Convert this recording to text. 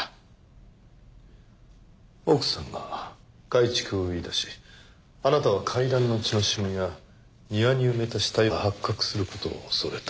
奥さんが改築を言いだしあなたは階段の血の染みや庭に埋めた死体が発覚する事を恐れた。